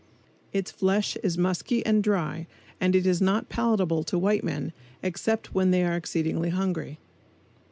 Its flesh is musky and dry and it is not palatable to white men except when they are exceedingly hungry.